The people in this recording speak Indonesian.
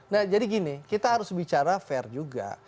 nah jadi gini kita harus bicara fair juga